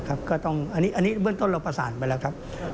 อันนี้เบื้องต้นเราประสานไปแล้วครับ